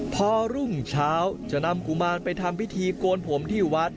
พอรุ่งเช้าจะนำกุมารไปทำพิธีโกนผมที่วัด